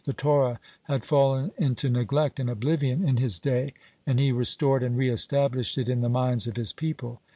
The Torah had fallen into neglect and oblivion in his day, and he restored and re established it in the minds of his people.